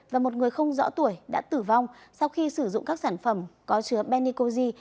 và một người không rõ tuổi đã tử vong sau khi sử dụng các sản phẩm có chứa benicozi